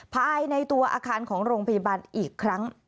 ภายในตัวอาคารของโรงพยาบาลอีกครั้ง